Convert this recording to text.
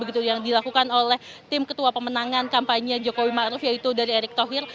begitu yang dilakukan oleh tim ketua pemenangan kampanye jokowi ⁇ maruf ⁇ yaitu dari erick thohir